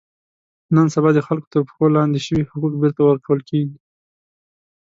نن سبا د خلکو تر پښو لاندې شوي حقوق بېرته ور کول کېږي.